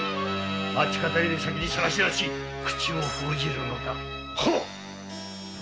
町方より先に捜し出し口を封じるのだ。